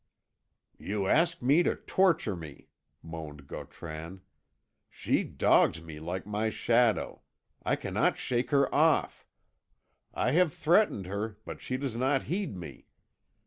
"You ask me to torture me," moaned Gautran. "She dogs me like my shadow I cannot shake her off! I have threatened her, but she does not heed me.